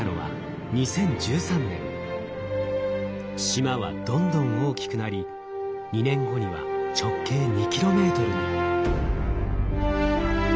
島はどんどん大きくなり２年後には直径２ｋｍに。